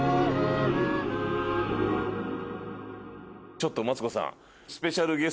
ちょっとマツコさん。